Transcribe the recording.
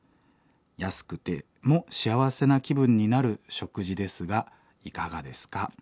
安くても幸せな気分になる食事ですがいかがですか？」。